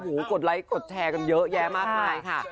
กดไลค์กดแชร์กันเยอะแยะมากมายค่ะ